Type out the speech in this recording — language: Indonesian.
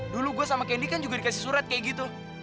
dulu gue sama candi kan juga dikasih surat kayak gitu